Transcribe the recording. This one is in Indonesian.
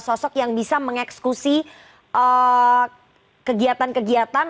sosok yang bisa mengeksekusi kegiatan kegiatan